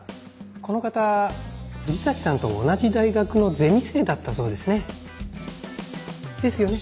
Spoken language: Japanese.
この方藤崎さんと同じ大学のゼミ生だったそうですね。ですよね？